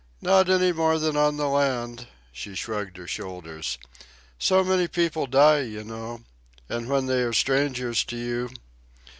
"Not any more than on the land." She shrugged her shoulders. "So many people die, you know. And when they are strangers to you